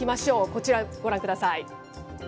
こちらご覧ください。